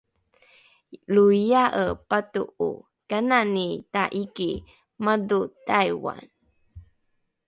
loiae pato’o kanani taiki madho taiwan?